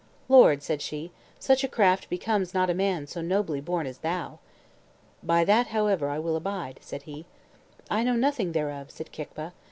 "Lord," said she, "such a craft becomes not a man so nobly born as thou." "By that however will I abide," said he. "I know nothing thereof," said Kicva.